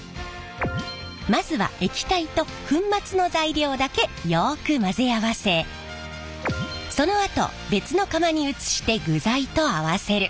まずは液体と粉末の材料だけよく混ぜ合わせそのあと別の釜に移して具材と合わせる。